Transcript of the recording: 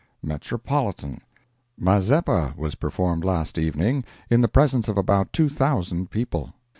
METROPOLITAN.—"Mazeppa" was performed last evening, in the presence of about two thousand people.